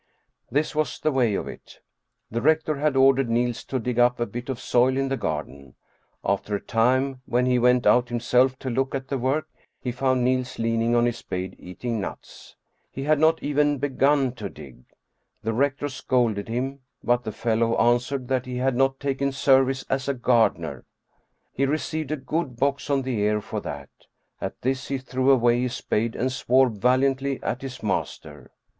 This was the way of it : The rector had ordered Niels to dig up a bit of soil in the garden. After a time when he went out himself to look at the work, he found Niels leaning on his spade eating nuts. He had not even be gun to dig. The rector scolded him, but the fellow an swered that he had not taken service as a gardener. He received a good box on the ear for that. At this he threw away his spade and swore valiantly at his master.